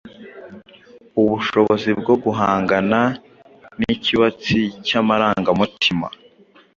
ubushobozi bwo guhangana n’ikibatsi cy’amarangamutima,